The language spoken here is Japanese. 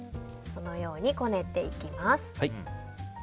このようにこねていきます。